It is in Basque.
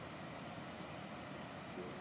Bertara sartzeko ateak erabiltzen ditugu.